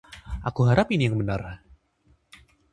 Aku harap ini yang benar.